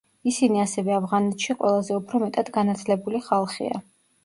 ისინი ასევე ავღანეთში ყველაზე უფრო მეტად განათლებული ხალხია.